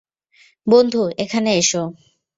বন্ধু, এখানে এসো।